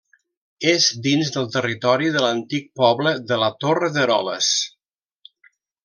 És dins del territori de l'antic poble de la Torre d'Eroles.